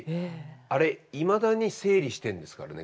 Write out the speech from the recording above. あれいまだに整理してるんですからね